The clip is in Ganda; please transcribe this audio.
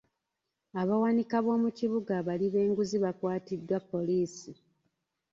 Abawanika b'omu kibuga abali b'enguzi bakwatiddwa poliisi.